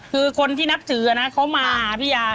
คือคนที่นับถือนะเขามาพี่ยา